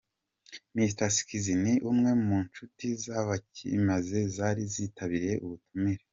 Mr Skizz ni umwe mu nshuti z'Abakimaze zari zitabiriye ubutumire.